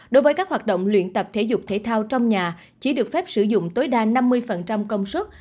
đối với các hoạt động luyện tập thể dục thể thao trong nhà chỉ được phép sử dụng tối đa năm mươi công suất